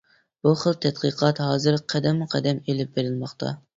بۇ خىل تەتقىقات ھازىر قەدەممۇقەدەم ئېلىپ بېرىلماقتا.